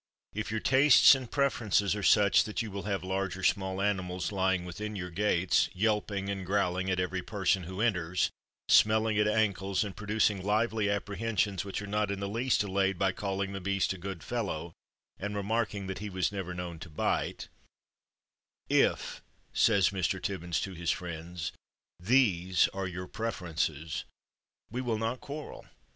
If your tastes and preferences are such that you will have large or small animals lying within your gates, yelping and growling at every person who enters, smelling at ankles, and producing lively apprehensions which are not in the least allayed by calling the beast a good fellow, and remarking that he was never known to bite, if," says Mr. Tibbins to his friends, "these are your preferences, we will not quarrel.